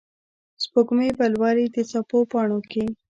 سپوږمۍ به لولي د څپو پاڼو کې